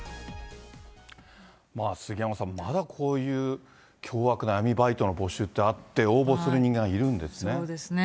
杉山さん、まだこういう凶悪な闇バイトの募集ってあって、そうですね。